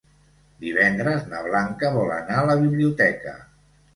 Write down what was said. Divendres na Blanca vol anar a la biblioteca.